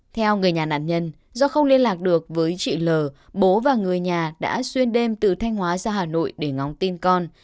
theo người nhà nạn nhân do không liên lạc được với chị l bố và người nhà đã xuyên đêm từ thanh hóa ra hà nội để ngóng tin con